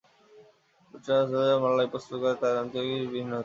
তবে কুষ্টিয়া অঞ্চলে যারা এই মালাই প্রস্তুত করে তাদের উপাদান কিছু ভিন্ন হতে পারে।